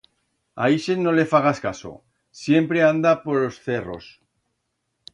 A ixe no le fagas caso, siempre anda por os cerros.